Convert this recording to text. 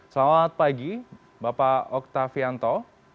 selamat pagi bapak oktavianto